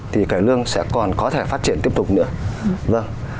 thì cải lương sẽ còn có thể phát triển tiếp tục nữa